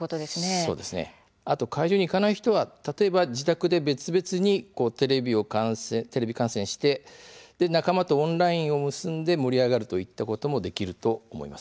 会場に行かない人は自宅で別々にテレビ観戦して仲間とオンラインで結んで盛り上がるといったこともできると思います。